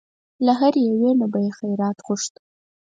له هرې یوې نه به یې خیرات غوښت.